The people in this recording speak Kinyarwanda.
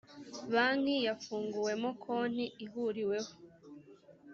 banki yafunguwemo konti ihuriweho